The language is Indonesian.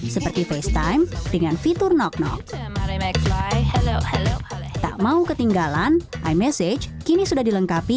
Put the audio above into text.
seperti facetime dengan fitur knock knock tak mau ketinggalan imessage kini sudah dilengkapi